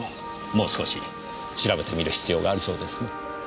もう少し調べてみる必要がありそうですね。